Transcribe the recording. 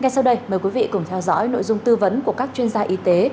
ngay sau đây mời quý vị cùng theo dõi nội dung tư vấn của các chuyên gia y tế